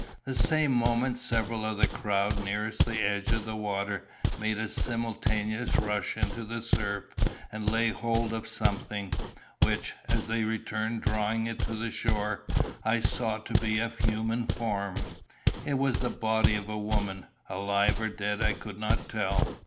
The same moment several of the crowd nearest the edge of the water made a simultaneous rush into the surf, and laid hold of something, which, as they returned drawing it to the shore, I saw to be a human form. It was the body of a woman alive or dead I could not tell.